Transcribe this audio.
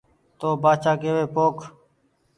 تو بآڇآڪيوي پوک